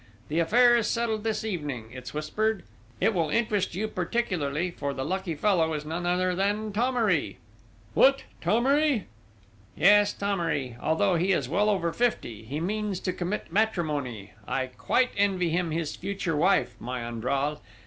The affair is settled this evening, it's whispered. It will interest you particularly, for the lucky fellow is none other than Thomery!" "What! Thomery?" "Yes, Thomery! Although he is well over fifty, he means to commit matrimony! I quite envy him his future wife, my Andral!